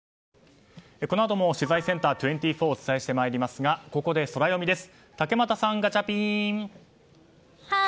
このあとも取材ｃｅｎｔｅｒ２４をお伝えしてまいりますがここでソラよみです。